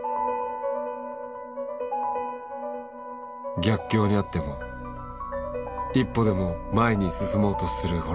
逆境にあっても一歩でも前に進もうとする堀島。